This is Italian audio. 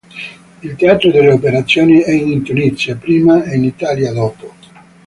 Il teatro delle operazioni è in Tunisia prima e in Italia dopo.